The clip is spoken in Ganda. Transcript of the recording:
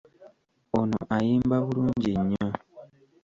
Ono ayimba bulungi nnyo.